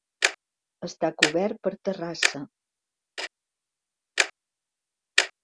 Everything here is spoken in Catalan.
Està cobert per terrassa.